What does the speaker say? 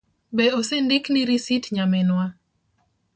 Be osendikni risit nyaminwa?